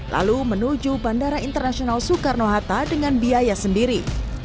lalu menuju bandara internasional soekarno hatta dengan biaya sendiri